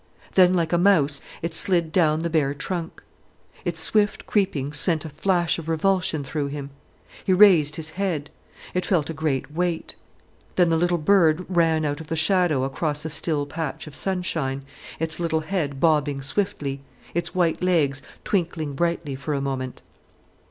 Then, like a mouse, it slid down the bare trunk. Its swift creeping sent a flash of revulsion through him. He raised his head. It felt a great weight. Then, the little bird ran out of the shadow across a still patch of sunshine, its little head bobbing swiftly, its white legs twinkling brightly for a moment.